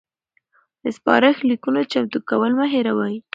د سپارښت لیکونو چمتو کول مه هیروئ.